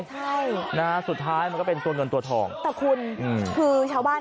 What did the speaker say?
ใช่นะฮะสุดท้ายมันก็เป็นตัวเงินตัวทองแต่คุณอืมคือชาวบ้าน